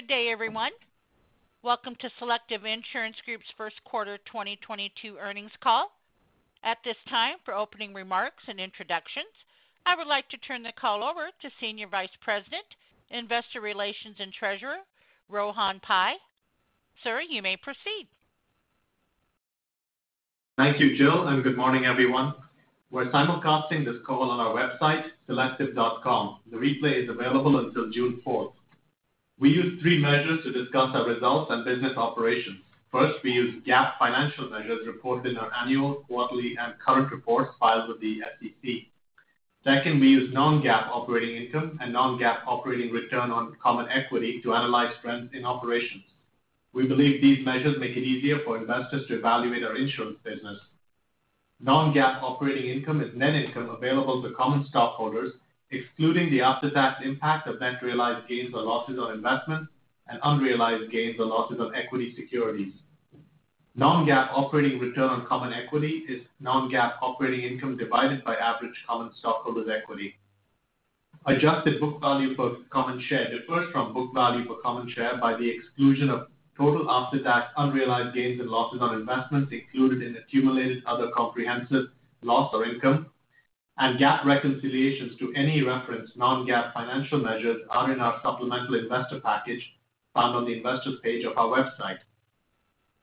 Good day, everyone. Welcome to Selective Insurance Group's First Quarter 2022 Earnings Call. At this time, for opening remarks and introductions, I would like to turn the call over to Senior Vice President, Investor Relations and Treasurer, Rohan Pai. Sir, you may proceed. Thank you, Jill, and good morning, everyone. We're simulcasting this call on our website, selective.com. The replay is available until June fourth. We use three measures to discuss our results and business operations. First, we use GAAP financial measures reported in our annual, quarterly, and current reports filed with the SEC. Second, we use non-GAAP operating income and non-GAAP operating return on common equity to analyze trends in operations. We believe these measures make it easier for investors to evaluate our insurance business. Non-GAAP operating income is net income available to common stockholders, excluding the after-tax impact of net realized gains or losses on investments and unrealized gains or losses on equity securities. Non-GAAP operating return on common equity is non-GAAP operating income divided by average common stockholders' equity. Adjusted book value per common share differs from book value per common share by the exclusion of total after-tax unrealized gains and losses on investments included in accumulated other comprehensive loss or income, and GAAP reconciliations to any referenced non-GAAP financial measures are in our supplemental investor package found on the investor's page of our website.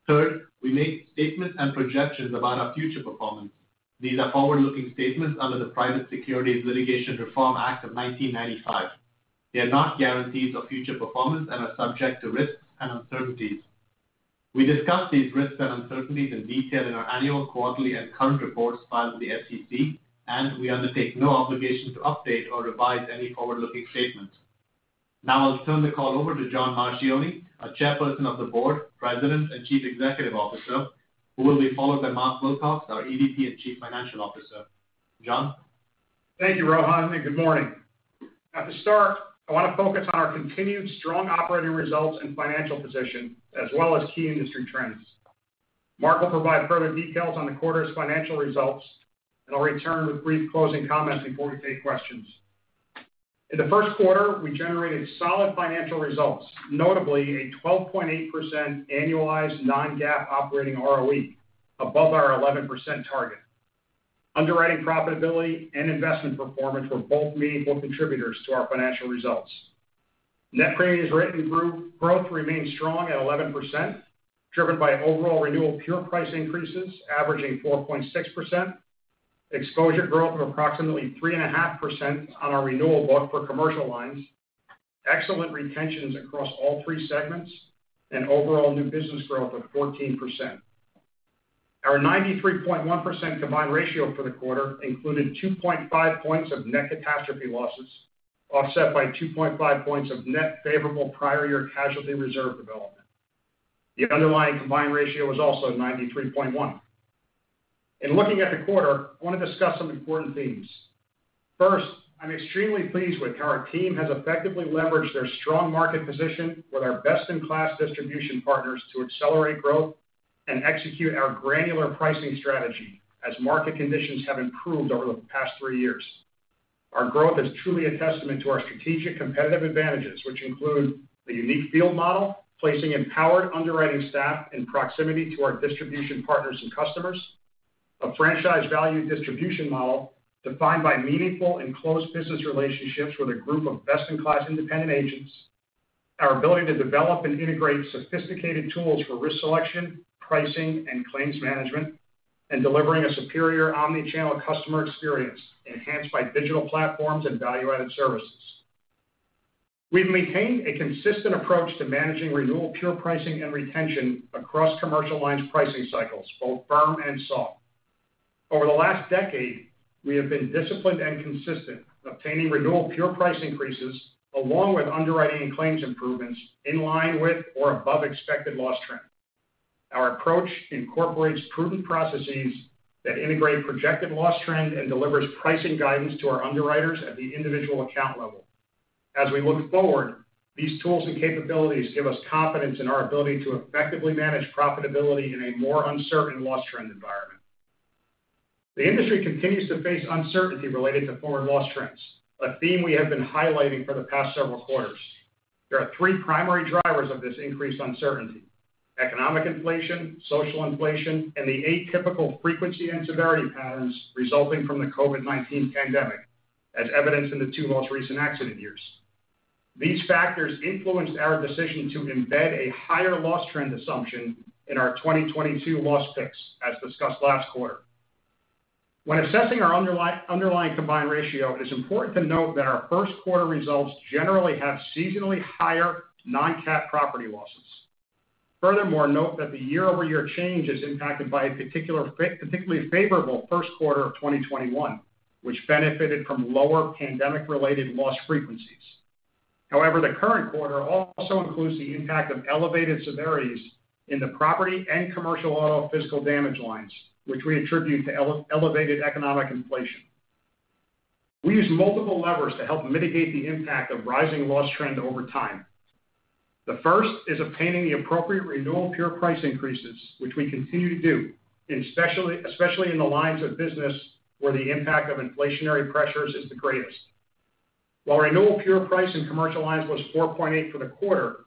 Third, we make statements and projections about our future performance. These are forward-looking statements under the Private Securities Litigation Reform Act of 1995. They are not guarantees of future performance and are subject to risks and uncertainties. We discuss these risks and uncertainties in detail in our annual, quarterly, and current reports filed with the SEC, and we undertake no obligation to update or revise any forward-looking statements. Now I'll turn the call over to John J. Marchioni, our Chairperson of the Board, President, and Chief Executive Officer, who will be followed by Mark Wilcox, our EVP and Chief Financial Officer. John? Thank you, Rohan, and good morning. At the start, I wanna focus on our continued strong operating results and financial position, as well as key industry trends. Mark will provide further details on the quarter's financial results, and I'll return with brief closing comments before we take questions. In the first quarter, we generated solid financial results, notably a 12.8% annualized non-GAAP operating ROE above our 11% target. Underwriting profitability and investment performance were both meaningful contributors to our financial results. Net premiums written growth remains strong at 11%, driven by overall renewal pure price increases averaging 4.6%, exposure growth of approximately 3.5% on our renewal book for Commercial Lines, excellent retentions across all three segments, and overall new business growth of 14%. Our 93.1% combined ratio for the quarter included 2.5 points of net catastrophe losses, offset by 2.5 points of net favorable prior year casualty reserve development. The underlying combined ratio was also 93.1. In looking at the quarter, I wanna discuss some important themes. First, I'm extremely pleased with how our team has effectively leveraged their strong market position with our best-in-class distribution partners to accelerate growth and execute our granular pricing strategy as market conditions have improved over the past three years. Our growth is truly a testament to our strategic competitive advantages, which include the unique field model, placing empowered underwriting staff in proximity to our distribution partners and customers, a franchise value distribution model defined by meaningful and close business relationships with a group of best-in-class independent agents, our ability to develop and integrate sophisticated tools for risk selection, pricing, and claims management, and delivering a superior omni-channel customer experience enhanced by digital platforms and value-added services. We've maintained a consistent approach to managing renewal pure pricing and retention across commercial lines pricing cycles, both firm and soft. Over the last decade, we have been disciplined and consistent, obtaining renewal pure price increases along with underwriting and claims improvements in line with or above expected loss trend. Our approach incorporates prudent processes that integrate projected loss trend and delivers pricing guidance to our underwriters at the individual account level. As we look forward, these tools and capabilities give us confidence in our ability to effectively manage profitability in a more uncertain loss trend environment. The industry continues to face uncertainty related to forward loss trends, a theme we have been highlighting for the past several quarters. There are three primary drivers of this increased uncertainty. Economic inflation, social inflation, and the atypical frequency and severity patterns resulting from the COVID-19 pandemic, as evidenced in the two most recent accident years. These factors influenced our decision to embed a higher loss trend assumption in our 2022 loss picks, as discussed last quarter. When assessing our underlying combined ratio, it is important to note that our first quarter results generally have seasonally higher non-cat property losses. Furthermore, note that the year-over-year change is impacted by a particular particularly favorable first quarter of 2021, which benefited from lower pandemic-related loss frequencies. However, the current quarter also includes the impact of elevated severities in the property and commercial auto physical damage lines, which we attribute to elevated economic inflation. We use multiple levers to help mitigate the impact of rising loss trend over time. The first is obtaining the appropriate renewal pure price increases, which we continue to do, especially in the lines of business where the impact of inflationary pressures is the greatest. While renewal pure price in commercial lines was 4.8% for the quarter,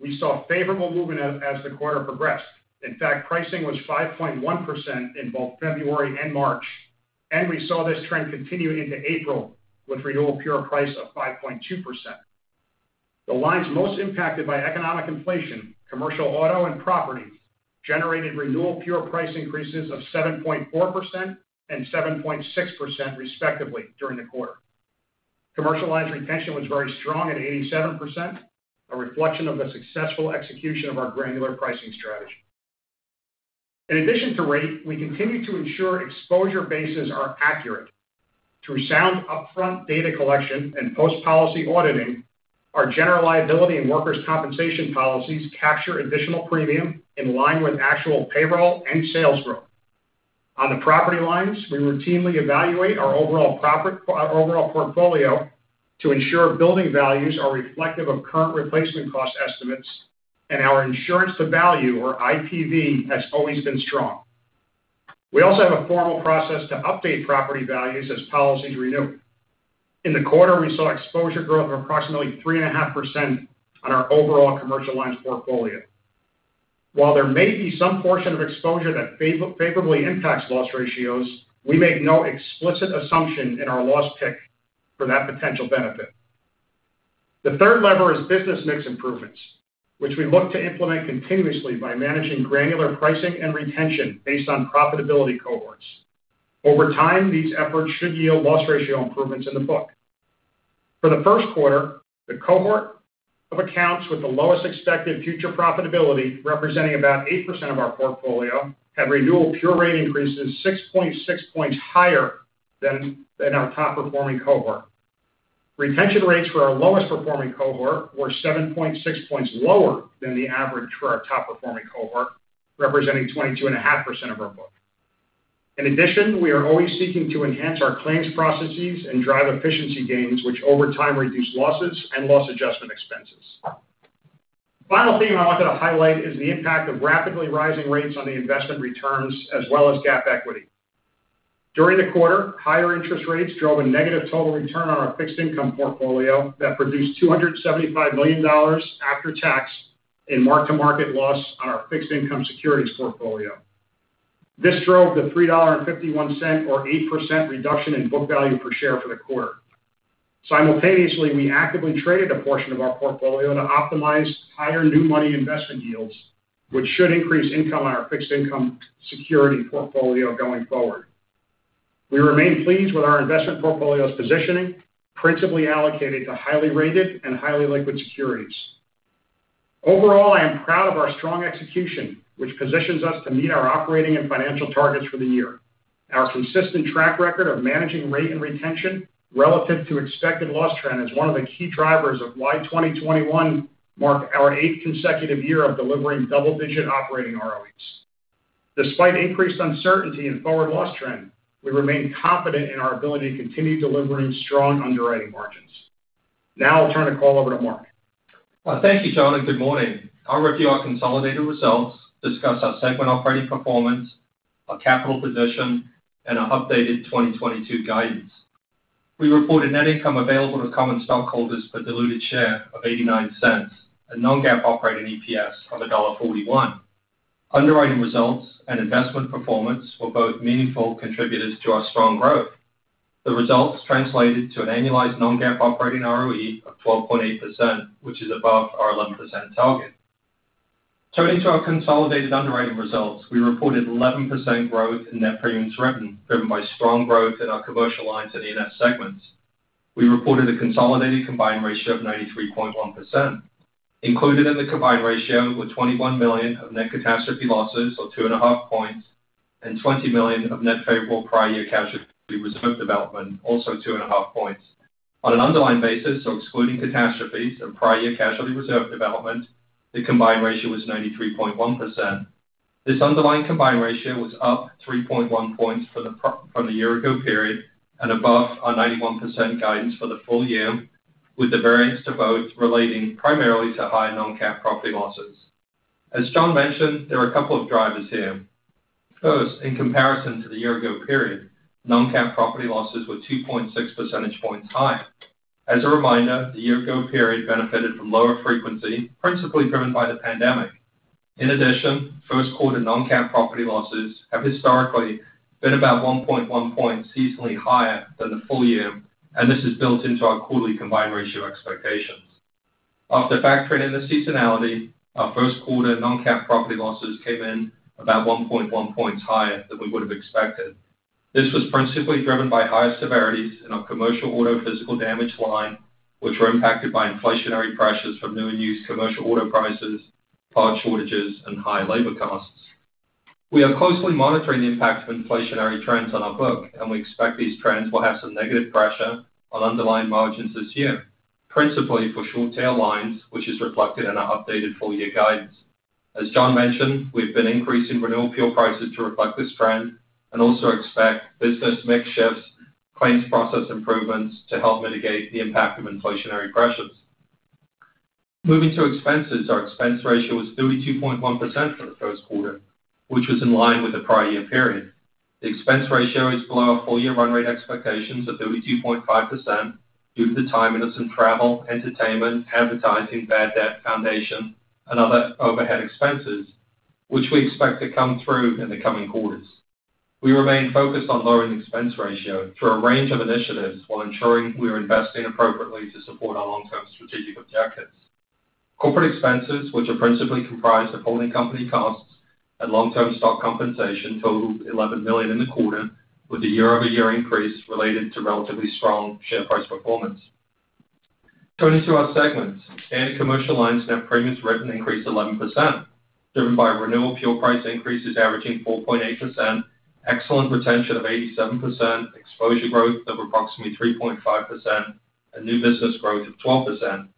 we saw favorable movement as the quarter progressed. In fact, pricing was 5.1% in both February and March, and we saw this trend continue into April with renewal pure price of 5.2%. The lines most impacted by economic inflation, Commercial Auto and Property, generated renewal pure price increases of 7.4% and 7.6% respectively during the quarter. Commercial retention was very strong at 87%, a reflection of the successful execution of our granular pricing strategy. In addition to rate, we continue to ensure exposure bases are accurate. Through sound upfront data collection and post-policy auditing, our General Liability and Workers' Compensation policies capture additional premium in line with actual payroll and sales growth. On the property lines, we routinely evaluate our overall portfolio to ensure building values are reflective of current replacement cost estimates and our insurance to value or ITV has always been strong. We also have a formal process to update property values as policies renew. In the quarter, we saw exposure growth of approximately 3.5% on our overall Commercial Lines portfolio. While there may be some portion of exposure that favorably impacts loss ratios, we make no explicit assumption in our loss pick for that potential benefit. The third lever is business mix improvements, which we look to implement continuously by managing granular pricing and retention based on profitability cohorts. Over time, these efforts should yield loss ratio improvements in the book. For the first quarter, the cohort of accounts with the lowest expected future profitability, representing about 8% of our portfolio, had renewal pure rate increases 6.6 points higher than our top-performing cohort. Retention rates for our lowest performing cohort were 7.6 points lower than the average for our top-performing cohort, representing 22.5% of our book. In addition, we are always seeking to enhance our claims processes and drive efficiency gains, which over time reduce losses and loss adjustment expenses. Final thing I wanted to highlight is the impact of rapidly rising rates on the investment returns as well as GAAP equity. During the quarter, higher interest rates drove a negative total return on our fixed income portfolio that produced $275 million after tax in mark-to-market loss on our fixed income securities portfolio. This drove the $3.51 or 8% reduction in book value per share for the quarter. Simultaneously, we actively traded a portion of our portfolio to optimize higher new money investment yields, which should increase income on our fixed income security portfolio going forward. We remain pleased with our investment portfolio's positioning, principally allocated to highly rated and highly liquid securities. Overall, I am proud of our strong execution, which positions us to meet our operating and financial targets for the year. Our consistent track record of managing rate and retention relative to expected loss trend is one of the key drivers of why 2021 marked our eighth consecutive year of delivering double-digit operating ROEs. Despite increased uncertainty in forward loss trend, we remain confident in our ability to continue delivering strong underwriting margins. Now I'll turn the call over to Mark. Well, thank you, John, and good morning. I'll review our consolidated results, discuss our segment operating performance, our capital position, and our updated 2022 guidance. We reported net income available to common stockholders per diluted share of $0.89 and non-GAAP operating EPS of $1.41. Underwriting results and investment performance were both meaningful contributors to our strong growth. The results translated to an annualized non-GAAP operating ROE of 12.8%, which is above our 11% target. Turning to our consolidated underwriting results, we reported 11% growth in net premiums written, driven by strong growth in our commercial lines and E&S segments. We reported a consolidated combined ratio of 93.1%. Included in the combined ratio were $21 million of net catastrophe losses, or 2.5 points, and $20 million of net favorable prior year casualty reserve development, also 2.5 points. On an underlying basis, so excluding catastrophes and prior year casualty reserve development, the combined ratio was 93.1%. This underlying combined ratio was up 3.1 points from the year ago period and above our 91% guidance for the full year, with the variance to both relating primarily to high non-GAAP property losses. As John mentioned, there are a couple of drivers here. First, in comparison to the year ago period, non-GAAP property losses were 2.6 percentage points higher. As a reminder, the year ago period benefited from lower frequency, principally driven by the pandemic. In addition, first quarter non-GAAP property losses have historically been about 1.1 points seasonally higher than the full year, and this is built into our quarterly combined ratio expectations. After factoring in the seasonality, our first quarter non-GAAP property losses came in about 1.1 points higher than we would have expected. This was principally driven by higher severities in our Commercial Auto physical damage line, which were impacted by inflationary pressures from new and used commercial auto prices, part shortages, and high labor costs. We are closely monitoring the impact of inflationary trends on our book, and we expect these trends will have some negative pressure on underlying margins this year, principally for short tail lines, which is reflected in our updated full year guidance. As John mentioned, we've been increasing renewal pure prices to reflect this trend and also expect business mix shifts, claims process improvements to help mitigate the impact of inflationary pressures. Moving to expenses. Our expense ratio was 32.1% for the first quarter, which was in line with the prior year period. The expense ratio is below our full year run rate expectations of 32.5% due to the timing of some travel, entertainment, advertising, bad debt, foundation, and other overhead expenses, which we expect to come through in the coming quarters. We remain focused on lowering the expense ratio through a range of initiatives while ensuring we are investing appropriately to support our long-term strategic objectives. Corporate expenses, which are principally comprised of holding company costs and long-term stock compensation, totaled $11 million in the quarter with a year-over-year increase related to relatively strong share price performance. Turning to our segments. Standard Commercial Lines net premiums written increased 11%, driven by renewal pure price increases averaging 4.8%, excellent retention of 87%, exposure growth of approximately 3.5%, and new business growth of 12%.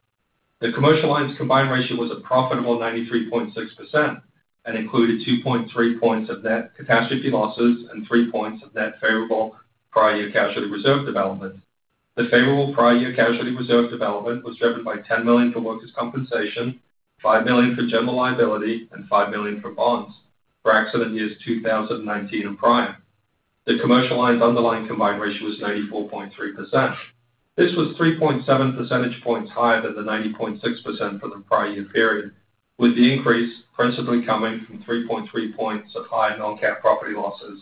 The Commercial Lines combined ratio was a profitable 93.6% and included 2.3 points of net catastrophe losses and 3 points of net favorable prior year casualty reserve development. The favorable prior year casualty reserve development was driven by $10 million for Workers' Compensation, $5 million for General Liability, and $5 million for bonds for accident years 2019 and prior. The Commercial Lines underlying combined ratio was 94.3%. This was 3.7 percentage points higher than the 90.6% for the prior year period, with the increase principally coming from 3.3 points of higher non-cat property losses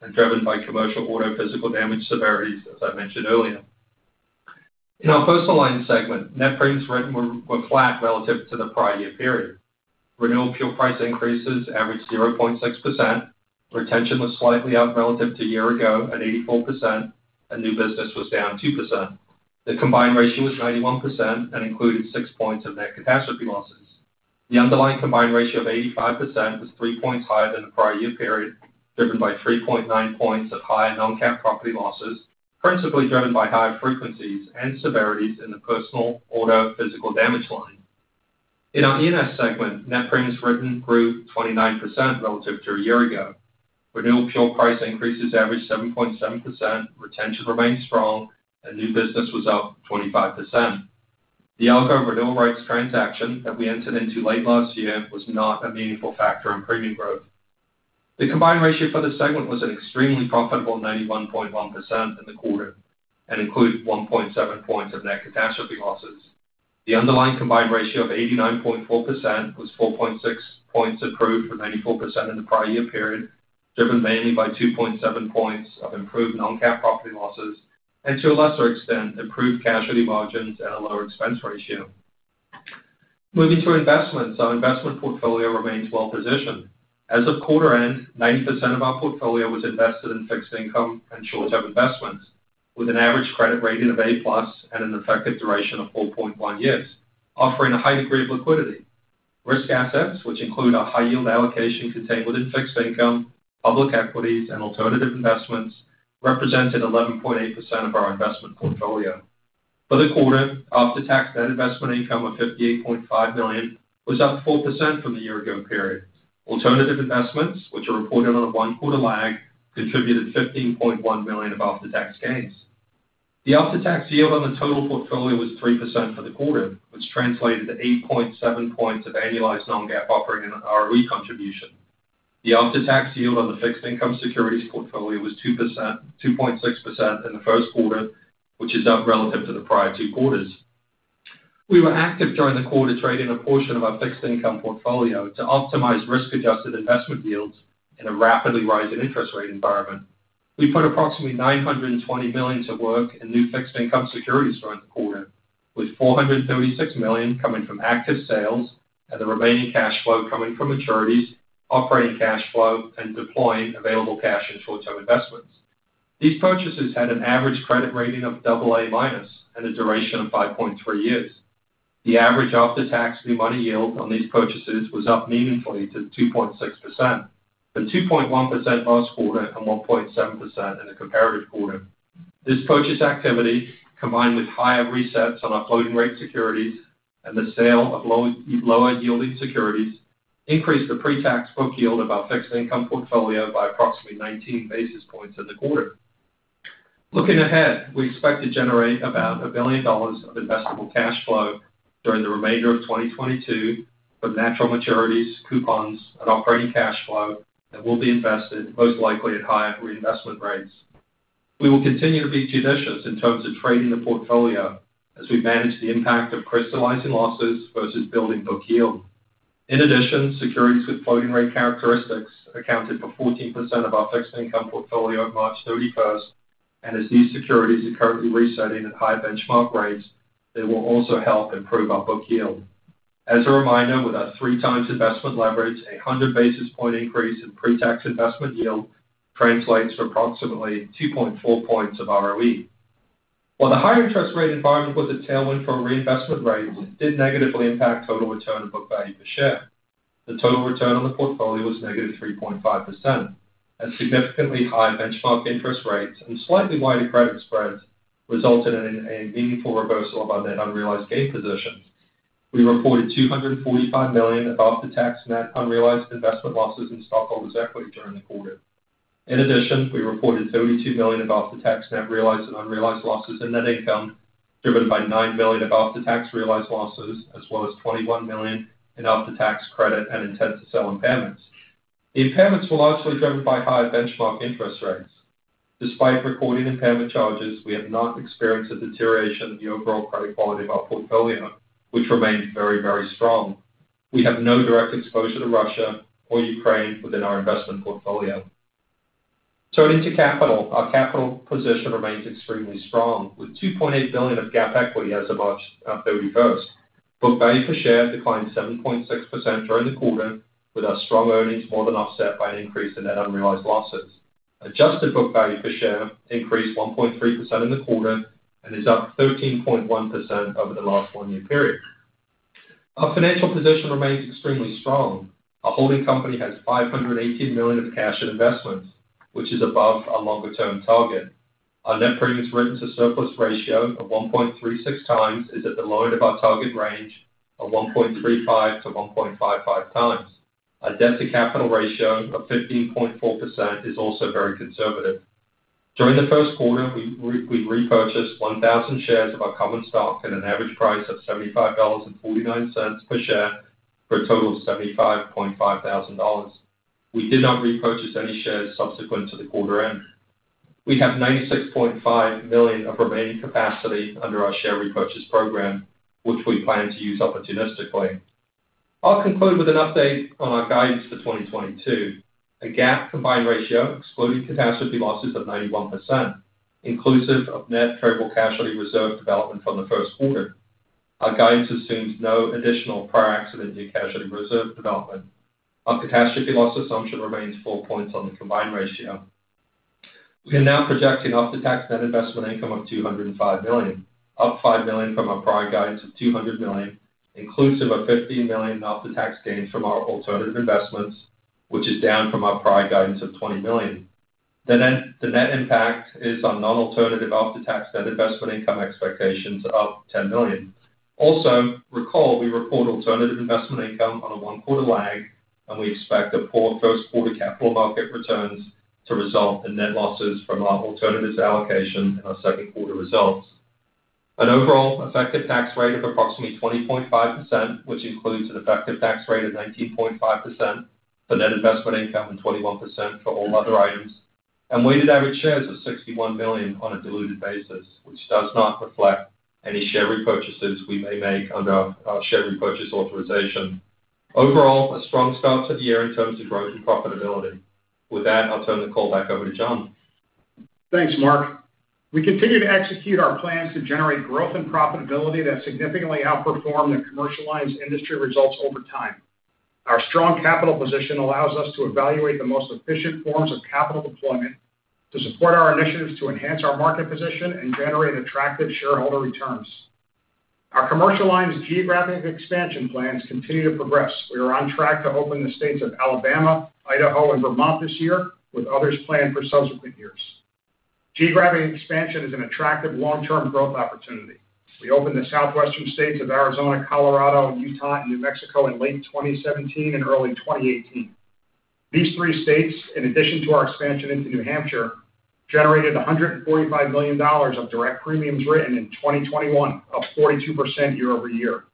and driven by Commercial Auto physical damage severities, as I mentioned earlier. In our Personal Lines segment, net premiums written were flat relative to the prior year period. Renewal pure price increases averaged 0.6%. Retention was slightly up relative to a year ago at 84%, and new business was down 2%. The combined ratio was 91% and included 6 points of net catastrophe losses. The underlying combined ratio of 85% was 3 points higher than the prior year period, driven by 3.9 points of higher non-cat property losses, principally driven by higher frequencies and severities in the personal auto physical damage line. In our E&S segment, net premiums written grew 29% relative to a year ago. Renewal pure price increases averaged 7.7%, retention remained strong, and new business was up 25%. The Argo renewal rates transaction that we entered into late last year was not a meaningful factor in premium growth. The combined ratio for the segment was an extremely profitable 91.1% in the quarter and included 1.7 points of net catastrophe losses. The underlying combined ratio of 89.4% was 4.6 points improved from 94% in the prior year period, driven mainly by 2.7 points of improved non-cat property losses and to a lesser extent, improved casualty margins and a lower expense ratio. Moving to investments. Our investment portfolio remains well positioned. As of quarter end, 90% of our portfolio was invested in fixed income and short-term investments with an average credit rating of A+ and an effective duration of 4.1 years, offering a high degree of liquidity. Risk assets, which include our high yield allocation contained within fixed income, public equities, and alternative investments, represented 11.8% of our investment portfolio. For the quarter, after-tax net investment income of $58.5 million was up 4% from the year ago period. Alternative investments, which are reported on a 1-quarter lag, contributed $15.1 million of after-tax gains. The after-tax yield on the total portfolio was 3% for the quarter, which translated to 8.7 points of annualized non-GAAP operating ROE contribution. The after-tax yield on the fixed income securities portfolio was 2%-2.6% in the first quarter, which is up relative to the prior two quarters. We were active during the quarter trading a portion of our fixed income portfolio to optimize risk-adjusted investment yields in a rapidly rising interest rate environment. We put approximately $920 million to work in new fixed income securities during the quarter, with $436 million coming from active sales and the remaining cash flow coming from maturities, operating cash flow, and deploying available cash and short-term investments. These purchases had an average credit rating of AA- and a duration of 5.3 years. The average after-tax new money yield on these purchases was up meaningfully to 2.6% from 2.1% last quarter and 1.7% in the comparative quarter. This purchase activity, combined with higher resets on our floating rate securities and the sale of low, low yielding securities, increased the pre-tax book yield of our fixed income portfolio by approximately 19 basis points in the quarter. Looking ahead, we expect to generate about $1 billion of investable cash flow during the remainder of 2022 from natural maturities, coupons, and operating cash flow that will be invested, most likely at higher reinvestment rates. We will continue to be judicious in terms of trading the portfolio as we manage the impact of crystallizing losses versus building book yield. In addition, securities with floating rate characteristics accounted for 14% of our fixed income portfolio at March 31, and as these securities are currently resetting at higher benchmark rates, they will also help improve our book yield. As a reminder, with our 3x investment leverage, a 100 basis point increase in pre-tax investment yield translates to approximately 2.4 points of ROE. While the higher interest rate environment was a tailwind for reinvestment rates, it did negatively impact total return of book value per share. The total return on the portfolio was -3.5%. Significantly high benchmark interest rates and slightly wider credit spreads resulted in a meaningful reversal of our net unrealized gain positions. We reported $245 million of after-tax net unrealized investment losses in stockholders' equity during the quarter. In addition, we reported $32 million of after-tax net realized and unrealized losses in net income, driven by $9 million of after-tax realized losses, as well as $21 million in after-tax credit and intent to sell impairments. The impairments were largely driven by higher benchmark interest rates. Despite recording impairment charges, we have not experienced a deterioration in the overall credit quality of our portfolio, which remains very, very strong. We have no direct exposure to Russia or Ukraine within our investment portfolio. Turning to capital. Our capital position remains extremely strong, with $2.8 billion of GAAP equity as of March 31. Book value per share declined 7.6% during the quarter, with our strong earnings more than offset by an increase in net unrealized losses. Adjusted book value per share increased 1.3% in the quarter and is up 13.1% over the last one-year period. Our financial position remains extremely strong. Our holding company has $518 million of cash and investments, which is above our longer-term target. Our net premiums written to surplus ratio of 1.36x is at the lower end of our target range of 1.35-1.55x. Our debt-to-capital ratio of 15.4% is also very conservative. During the first quarter, we repurchased 1,000 shares of our common stock at an average price of $75.49 per share for a total of $75.5 thousand. We did not repurchase any shares subsequent to the quarter end. We have $96.5 million of remaining capacity under our share repurchase program, which we plan to use opportunistically. I'll conclude with an update on our guidance for 2022. A GAAP combined ratio excluding catastrophe losses of 91%, inclusive of net favorable casualty reserve development from the first quarter. Our guidance assumes no additional prior accident year casualty reserve development. Our catastrophe loss assumption remains 4 points on the combined ratio. We are now projecting after-tax net investment income of $205 million, up $5 million from our prior guidance of $200 million, inclusive of $15 million after-tax gains from our alternative investments, which is down from our prior guidance of $20 million. The net impact is on non-alternative after-tax net investment income expectations of $10 million. Also, recall we report alternative investment income on a one-quarter lag, and we expect the poor first quarter capital market returns to result in net losses from our alternatives allocation in our second quarter results. An overall effective tax rate of approximately 20.5%, which includes an effective tax rate of 19.5% for net investment income and 21% for all other items. Weighted average shares of 61 million on a diluted basis, which does not reflect any share repurchases we may make under our share repurchase authorization. Overall, a strong start to the year in terms of growth and profitability. With that, I'll turn the call back over to John. Thanks, Mark. We continue to execute our plans to generate growth and profitability that significantly outperform the Commercial Lines industry results over time. Our strong capital position allows us to evaluate the most efficient forms of capital deployment to support our initiatives to enhance our market position and generate attractive shareholder returns. Our Commercial Lines geographic expansion plans continue to progress. We are on track to open the states of Alabama, Idaho, and Vermont this year, with others planned for subsequent years. Geographic expansion is an attractive long-term growth opportunity. We opened the Southwestern states of Arizona, Colorado, Utah, and New Mexico in late 2017 and early 2018. These three states, in addition to our expansion into New Hampshire, generated $145 million of direct premiums written in 2021, up 42% year-over-year.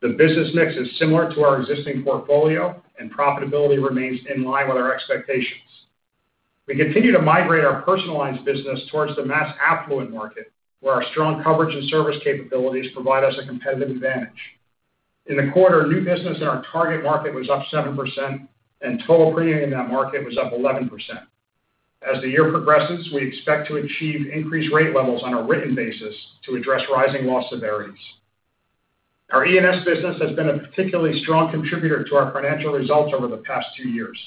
The business mix is similar to our existing portfolio, and profitability remains in line with our expectations. We continue to migrate our Personal Lines business towards the mass affluent market, where our strong coverage and service capabilities provide us a competitive advantage. In the quarter, new business in our target market was up 7%, and total premium in that market was up 11%. As the year progresses, we expect to achieve increased rate levels on a written basis to address rising loss severities. Our E&S business has been a particularly strong contributor to our financial results over the past two years.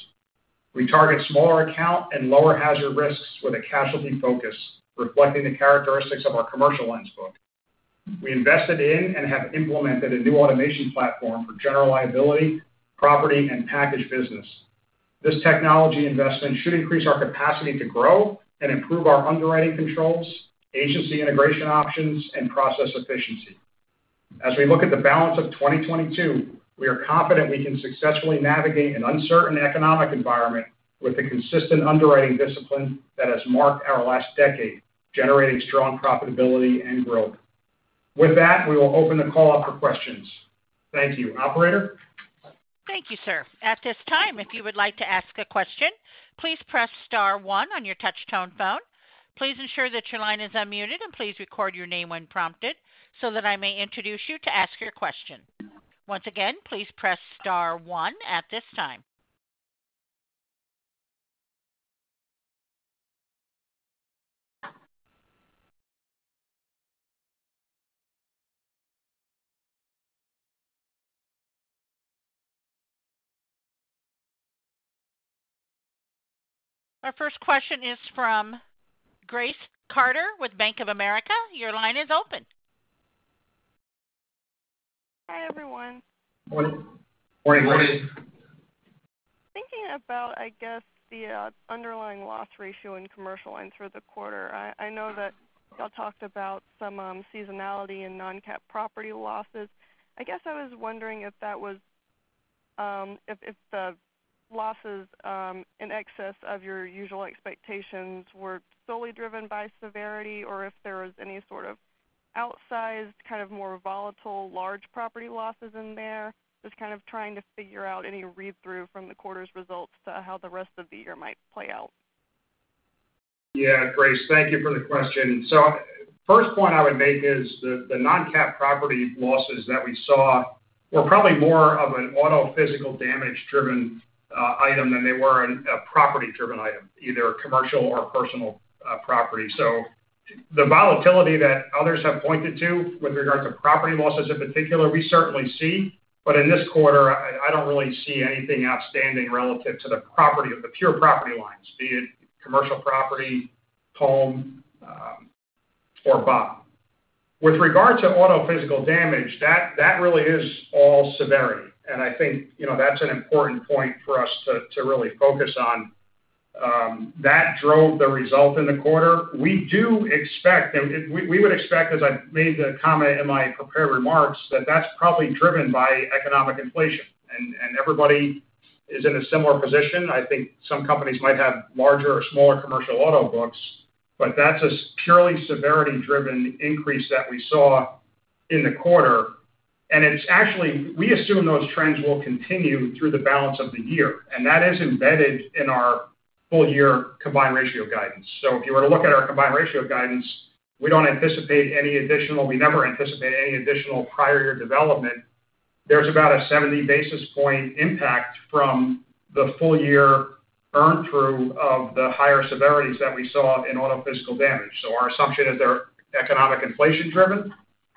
We target smaller account and lower hazard risks with a casualty focus, reflecting the characteristics of our Commercial Lines book. We invested in and have implemented a new automation platform for General Liability, property, and package business. This technology investment should increase our capacity to grow and improve our underwriting controls, agency integration options, and process efficiency. As we look at the balance of 2022, we are confident we can successfully navigate an uncertain economic environment with the consistent underwriting discipline that has marked our last decade, generating strong profitability and growth. With that, we will open the call up for questions. Thank you. Operator? Thank you, sir. At this time, if you would like to ask a question, please press star one on your touchtone phone. Please ensure that your line is unmuted, and please record your name when prompted so that I may introduce you to ask your question. Once again, please press star one at this time. Our first question is from Grace Carter with Bank of America. Your line is open. Hi, everyone. Morning. Morning, Grace. Thinking about, I guess, the underlying loss ratio in Commercial Lines for the quarter. I know that y'all talked about some seasonality in non-cat property losses. I guess I was wondering if that was, if the losses in excess of your usual expectations were solely driven by severity or if there was any sort of outsized, kind of more volatile large property losses in there. Just kind of trying to figure out any read-through from the quarter's results to how the rest of the year might play out. Yeah. Grace, thank you for the question. First point I would make is the non-cat property losses that we saw were probably more of an auto physical damage-driven item than they were a property-driven item, either commercial or personal property. The volatility that others have pointed to with regards to property losses in particular, we certainly see, but in this quarter I don't really see anything outstanding relative to the pure property lines, be it commercial property, home, or BOP. With regard to auto physical damage, that really is all severity, and I think, you know, that's an important point for us to really focus on that drove the result in the quarter. We do expect and we would expect, as I made the comment in my prepared remarks, that that's probably driven by economic inflation. Everybody is in a similar position. I think some companies might have larger or smaller Commercial Auto books, but that's a purely severity-driven increase that we saw in the quarter. It's actually, we assume those trends will continue through the balance of the year, and that is embedded in our full year combined ratio guidance. If you were to look at our combined ratio guidance, we don't anticipate any additional, we never anticipate any additional prior year development. There's about a 70 basis point impact from the full year earn through of the higher severities that we saw in auto physical damage. Our assumption is they're economically inflation driven,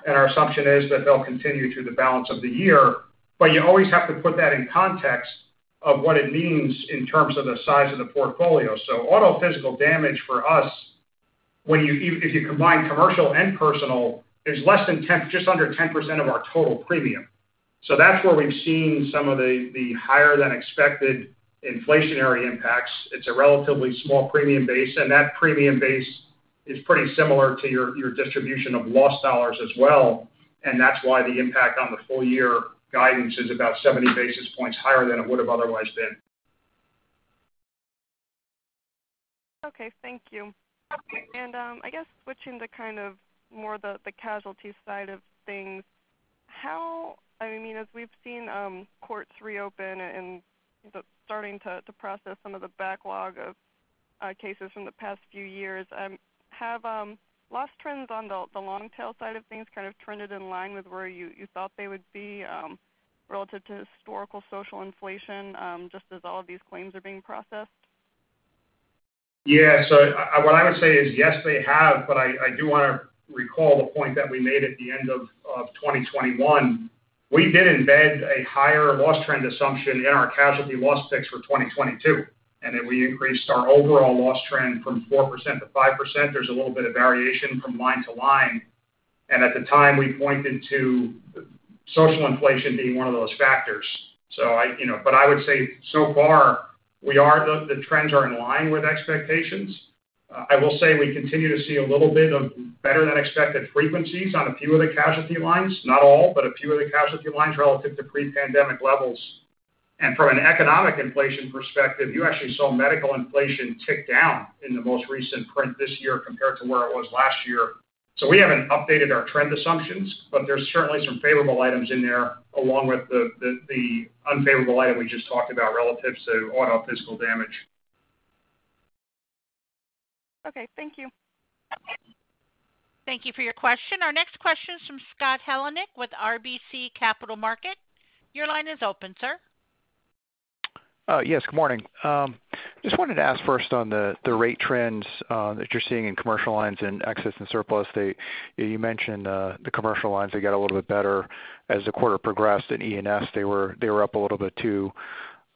and our assumption is that they'll continue through the balance of the year. You always have to put that in context of what it means in terms of the size of the portfolio. Auto physical damage for us, when you combine commercial and personal, is less than 10, just under 10% of our total premium. That's where we've seen some of the higher than expected inflationary impacts. It's a relatively small premium base, and that premium base is pretty similar to your distribution of loss dollars as well, and that's why the impact on the full year guidance is about 70 basis points higher than it would've otherwise been. Okay. Thank you. I guess switching to kind of more the casualty side of things, I mean, as we've seen, courts reopen and starting to process some of the backlog of cases from the past few years, have loss trends on the long tail side of things kind of trended in line with where you thought they would be, relative to historical social inflation, just as all of these claims are being processed? Yeah. What I would say is yes, they have, but I do wanna recall the point that we made at the end of 2021. We did embed a higher loss trend assumption in our casualty loss picks for 2022, and then we increased our overall loss trend from 4% to 5%. There's a little bit of variation from line to line. At the time, we pointed to social inflation being one of those factors. You know, but I would say so far the trends are in line with expectations. I will say we continue to see a little bit of better than expected frequencies on a few of the casualty lines, not all, but a few of the casualty lines relative to pre-pandemic levels. From an economic inflation perspective, you actually saw medical inflation tick down in the most recent print this year compared to where it was last year. We haven't updated our trend assumptions, but there's certainly some favorable items in there along with the unfavorable item we just talked about relative to auto physical damage. Okay. Thank you. Thank you for your question. Our next question is from Scott Heleniak with RBC Capital Markets. Your line is open, sir. Yes, good morning. Just wanted to ask first on the rate trends that you're seeing in Commercial Lines and Excess and Surplus. You mentioned the Commercial Lines; they get a little bit better as the quarter progressed. In E&S, they were up a little bit too,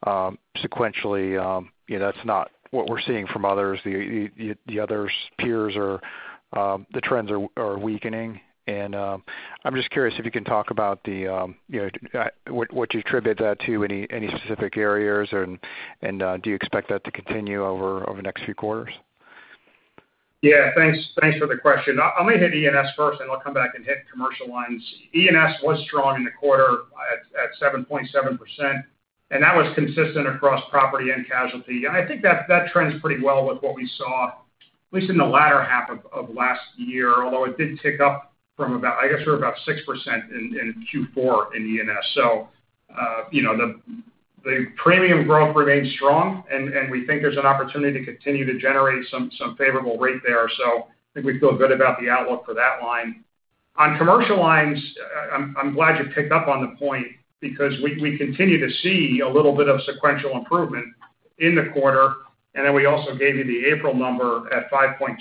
sequentially. You know, that's not what we're seeing from others. The other peers are; the trends are weakening. I'm just curious if you can talk about the, you know, what you attribute that to, any specific areas and, do you expect that to continue over the next few quarters? Yeah. Thanks for the question. I may hit E&S first, and I'll come back and hit commercial lines. E&S was strong in the quarter at 7.7%, and that was consistent across property and casualty. I think that trends pretty well with what we saw at least in the latter half of last year, although it did tick up from about, I guess we were about 6% in Q4 in E&S. You know, the premium growth remains strong and we think there's an opportunity to continue to generate some favorable rate there. I think we feel good about the outlook for that line. On Commercial Lines, I'm glad you picked up on the point because we continue to see a little bit of sequential improvement in the quarter, and then we also gave you the April number at 5.2%.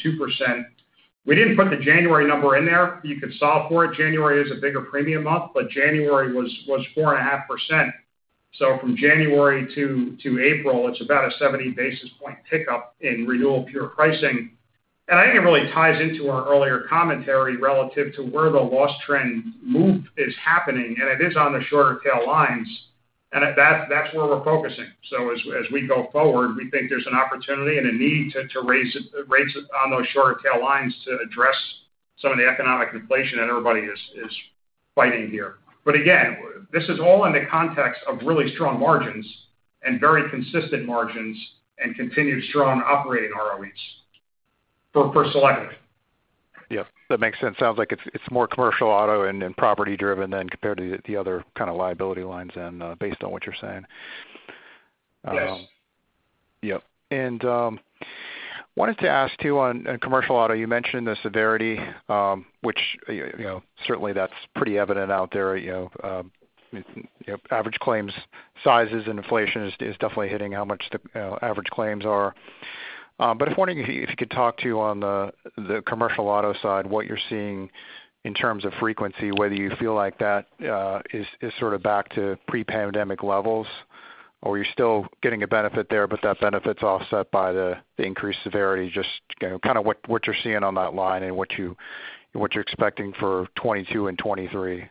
We didn't put the January number in there. You could solve for it. January is a bigger premium month, but January was 4.5%. From January to April, it's about a 70 basis point tick up in renewal pure pricing. I think it really ties into our earlier commentary relative to where the loss trend move is happening, and it is on the shorter tail lines. That's where we're focusing. As we go forward, we think there's an opportunity and a need to raise rates on those shorter tail lines to address some of the economic inflation that everybody is fighting here. Again, this is all in the context of really strong margins and very consistent margins and continued strong operating ROEs for Selective. Yeah, that makes sense. Sounds like it's more Commercial Auto and property-driven than compared to the other kind of liability lines and based on what you're saying. Yes. Wanted to ask too, on Commercial Auto, you mentioned the severity, which you know certainly that's pretty evident out there, you know. You know, average claims sizes and inflation is definitely hitting how much the average claims are. But I was wondering if you could talk to on the Commercial Auto side, what you're seeing in terms of frequency, whether you feel like that is sort of back to pre-pandemic levels or you're still getting a benefit there, but that benefit's offset by the increased severity just, you know, kind of what you're seeing on that line and what you're expecting for 2022 and 2023.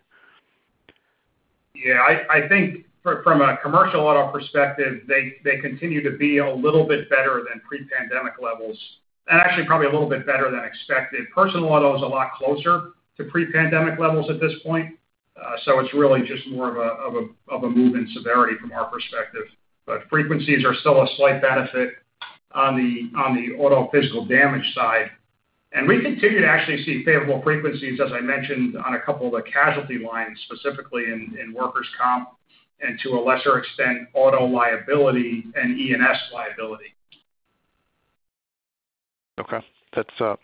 Yeah, I think from a commercial auto perspective, they continue to be a little bit better than pre-pandemic levels and actually probably a little bit better than expected. Personal auto is a lot closer to pre-pandemic levels at this point. It's really just more of a move in severity from our perspective. Frequencies are still a slight benefit on the auto physical damage side. We continue to actually see favorable frequencies, as I mentioned, on a couple of the casualty lines, specifically in workers' comp and to a lesser extent, auto liability and E&S liability. Okay. That's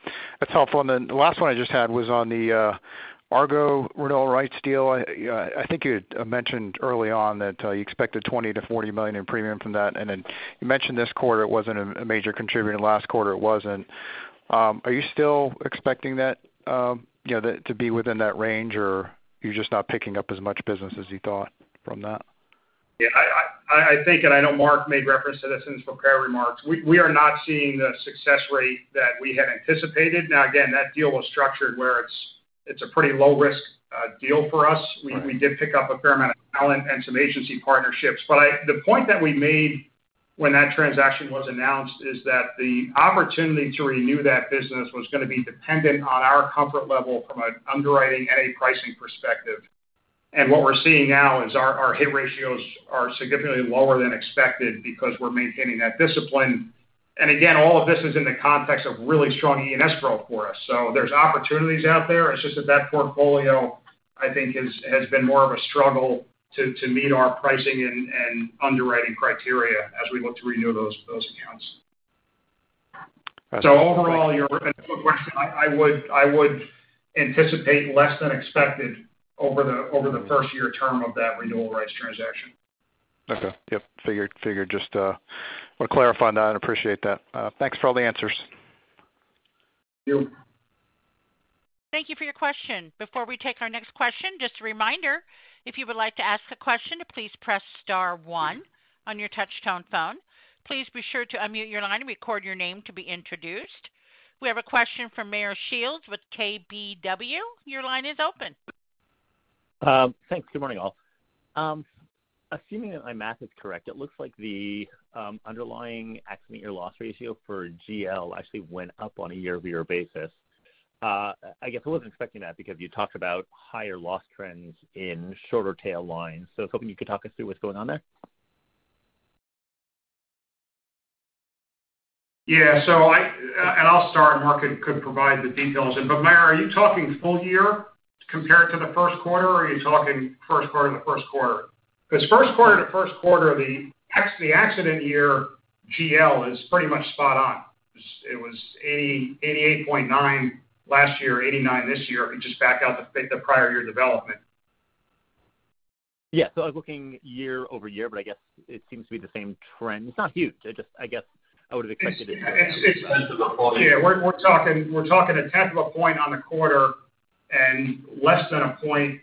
helpful. The last one I just had was on the Argo renewal rights deal. I think you had mentioned early on that you expected $20 million-$40 million in premium from that. You mentioned this quarter it wasn't a major contributor, and last quarter it wasn't. Are you still expecting that, you know, to be within that range or you're just not picking up as much business as you thought from that? Yeah, I think, and I know Mark made reference to this in his prepared remarks, we are not seeing the success rate that we had anticipated. Now, again, that deal was structured where it's a pretty low risk deal for us. Right. We did pick up a fair amount of talent and some agency partnerships. I the point that we made when that transaction was announced is that the opportunity to renew that business was gonna be dependent on our comfort level from an underwriting and a pricing perspective. What we're seeing now is our hit ratios are significantly lower than expected because we're maintaining that discipline. Again, all of this is in the context of really strong E&S growth for us. There's opportunities out there. It's just that that portfolio, I think has been more of a struggle to meet our pricing and underwriting criteria as we look to renew those accounts. That's great. Overall, your question, I would anticipate less than expected over the- Mm-hmm. over the first year term of that renewal rights transaction. Okay. Yep. Figured. Just wanna clarify on that. I appreciate that. Thanks for all the answers. Thank you. Thank you for your question. Before we take our next question, just a reminder, if you would like to ask a question, please press star one on your touch-tone phone. Please be sure to unmute your line and record your name to be introduced. We have a question from Meyer Shields with KBW. Your line is open. Thanks. Good morning, all. Assuming that my math is correct, it looks like the underlying accident year loss ratio for GL actually went up on a year-over-year basis. I guess I wasn't expecting that because you talked about higher loss trends in shorter tail lines. I was hoping you could talk us through what's going on there. Yeah. I'll start, and Mark could provide the details. Meyer, are you talking full year compared to the first quarter, or are you talking first-quarter-to-first-quarter? First-quarter-to-first-quarter, the accident year GL is pretty much spot on. It was 88.9% last year, 89% this year if you just back out the prior year development. Yeah. I was looking year-over-year, but I guess it seems to be the same trend. It's not huge. I just, I guess I would have expected it to be. It's In terms of the volume. Yeah, we're talking 0.1 point on the quarter and less than a point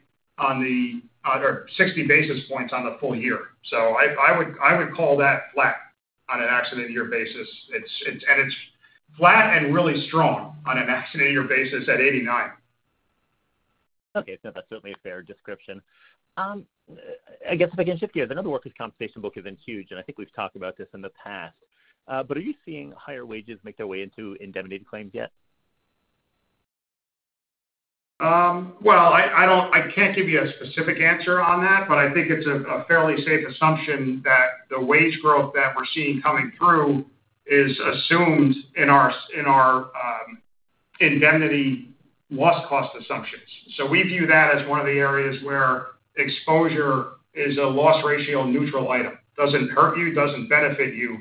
or 60 basis points on the full year. I would call that flat on an accident year basis. It's flat and really strong on an accident year basis at 89. Okay. No, that's certainly a fair description. I guess if I can shift gears, I know the Workers' Compensation book has been huge, and I think we've talked about this in the past. But are you seeing higher wages make their way into indemnity claims yet? Well, I can't give you a specific answer on that, but I think it's a fairly safe assumption that the wage growth that we're seeing coming through is assumed in our indemnity loss cost assumptions. We view that as one of the areas where exposure is a loss ratio neutral item. Doesn't hurt you, doesn't benefit you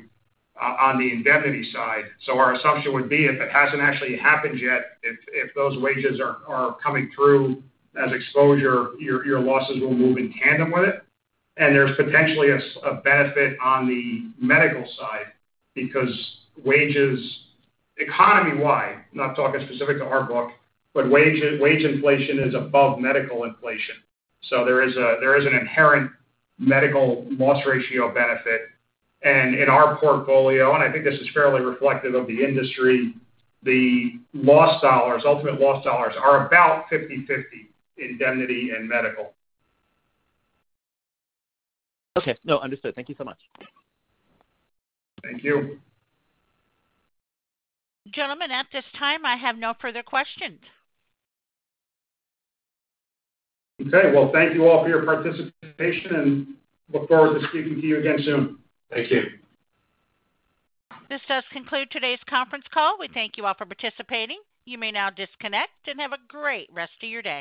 on the indemnity side. Our assumption would be if it hasn't actually happened yet, if those wages are coming through as exposure, your losses will move in tandem with it. There's potentially a benefit on the medical side because wages economy-wide, not talking specific to our book, but wage inflation is above medical inflation. There is an inherent medical loss ratio benefit. In our portfolio, and I think this is fairly reflective of the industry, the loss dollars, ultimate loss dollars are about 50/50 indemnity and medical. Okay. No, understood. Thank you so much. Thank you. Gentlemen, at this time, I have no further questions. Okay. Well, thank you all for your participation and look forward to speaking to you again soon. Thank you. This does conclude today's conference call. We thank you all for participating. You may now disconnect and have a great rest of your day.